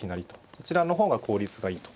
そちらの方が効率がいいと。